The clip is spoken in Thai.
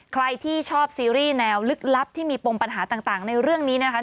ใครที่ชอบซีรีส์แนวลึกลับที่มีปมปัญหาต่างในเรื่องนี้นะคะ